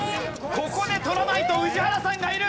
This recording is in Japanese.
ここで取らないと宇治原さんがいる。